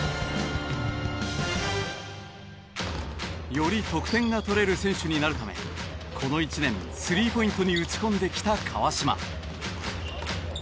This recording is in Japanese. より得点が取れる選手になるためこの１年スリーポイントに打ち込んできた川島。